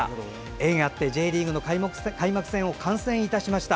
縁あってＪリーグの開幕戦を観戦しました。